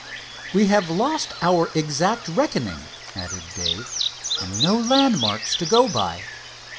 "We have lost our exact reckoning," added Dave, "and no landmarks to go by.